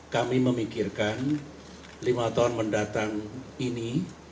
kami memikirkan lima tahun mendatang ini